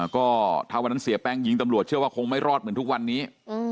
ก็ถ้าวันนั้นเสียแป้งยิงตำรวจเชื่อว่าคงไม่รอดเหมือนทุกวันนี้